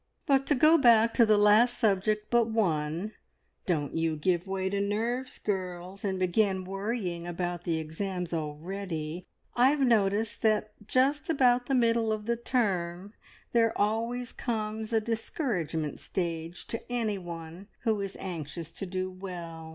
But to go back to the last subject but one, don't you give way to nerves, girls, and begin worrying about the exams already. I've noticed that just about the middle of the term there always comes a `discouragement stage' to anyone who is anxious to do well.